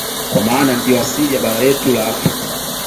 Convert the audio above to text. Kwa maana ndiyo asili ya bara letu la Afrika